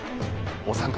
お三方